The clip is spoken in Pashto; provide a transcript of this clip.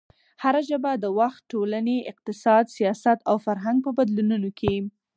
هره ژبه د وخت، ټولنې، اقتصاد، سیاست او فرهنګ په بدلونونو کې